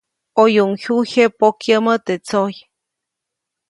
ʼOyuʼuŋ jyuyje pokyäʼmä teʼ tsojy.